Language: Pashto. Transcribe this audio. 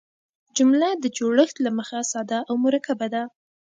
جمله د جوړښت له مخه ساده او مرکبه ده.